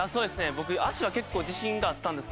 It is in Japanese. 僕脚は結構自信があったんですけど。